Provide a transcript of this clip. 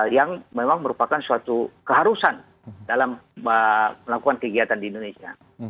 yang memang merupakan suatu keharusan dalam melakukan kegiatan di indonesia